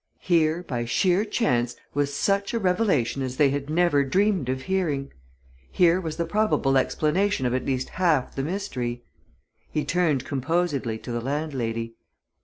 Here, by sheer chance, was such a revelation as they had never dreamed of hearing! here was the probable explanation of at least half the mystery. He turned composedly to the landlady.